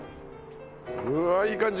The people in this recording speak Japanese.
うわあいい感じ。